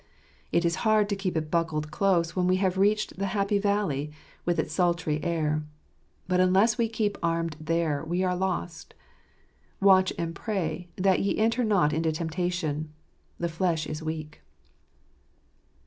It is hard to keep it buckled close when we , have reached the happy valley, with its sultry air. But ' unless we keep armed there, we are lost. "Watch and pray, that ye enter not into temptation. The flesh is j weak."